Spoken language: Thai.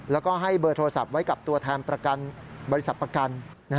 แล้วก็ให้เบอร์โทรศัพท์ไว้กับตัวแทนประกันบริษัทประกัน